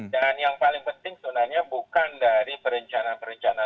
dan yang paling penting sebenarnya bukan dari perencanaan perencanaan